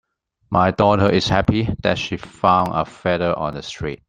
My daughter is happy that she found a feather on the street.